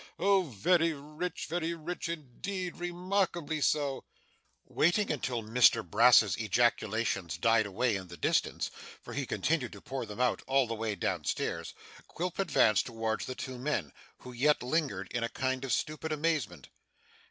oh very rich, very rich indeed, remarkably so!' Waiting until Mr Brass's ejaculations died away in the distance (for he continued to pour them out, all the way down stairs), Quilp advanced towards the two men, who yet lingered in a kind of stupid amazement.